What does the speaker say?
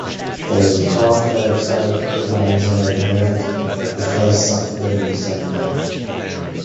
This is a craft fair extravaganza is held the first Saturday in December.